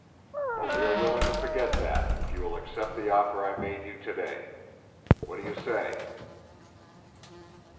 But we are willing to forget that if you will accept the offer I made you today. What do you say?"